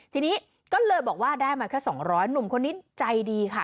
ทีนี้ก็เลยบอกว่าได้มาแค่๒๐๐หนุ่มคนนี้ใจดีค่ะ